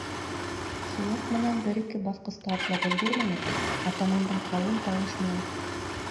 Сулаҡ менән бер-ике баҫҡыс та атлап өлгөрмәнек, атамандың ҡалын тауыш менән: